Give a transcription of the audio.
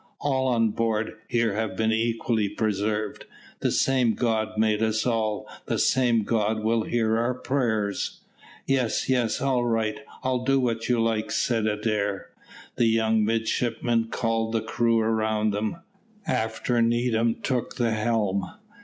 "All on board here have been equally preserved. The same God made us all, the same God will hear our prayers." "Yes, yes, all right I'll do what you like," said Adair. The young midshipmen called the crew around them, after Needham took the helm.